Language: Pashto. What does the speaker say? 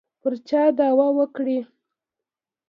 پر چا دعوه وکړي.